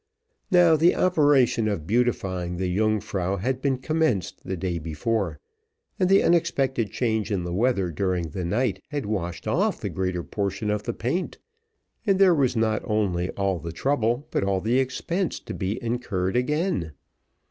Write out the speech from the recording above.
Now the operation of beautifying the Yungfrau had been commenced the day before, and the unexpected change in the weather during the night, had washed off the greater portion of the paint, and there was not only all the trouble, but all the expense, to be incurred again.